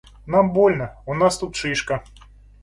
Нам больно, у нас тут шишка.